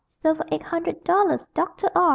_Sold for eight hundred dollars Doctor R.!